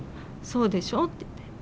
「そうでしょ」って言って。